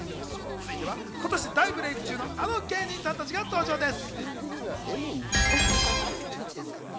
続いては今年大ブレイク中の、あの芸人さんたちが登場です。